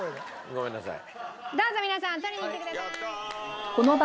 ごめんなさい。